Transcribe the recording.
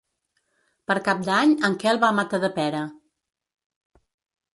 Per Cap d'Any en Quel va a Matadepera.